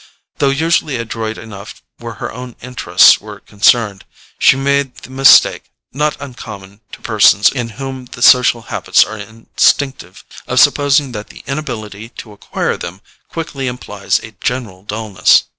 Though usually adroit enough where her own interests were concerned, she made the mistake, not uncommon to persons in whom the social habits are instinctive, of supposing that the inability to acquire them quickly implies a general dulness.